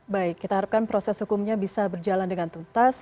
baik kita harapkan proses hukumnya bisa berjalan dengan tuntas